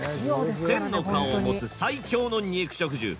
千の顔を持つ最強の肉食獣。